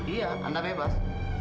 iya anda bebas